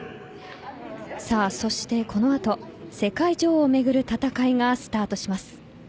そして、このあと世界女王を巡る戦いがスタートします。